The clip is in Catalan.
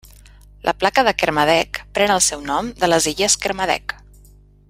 La placa de Kermadec pren el seu nom de les Illes Kermadec.